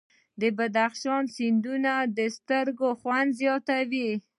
د بدخشان سیندونه د سترګو خوند زیاتوي.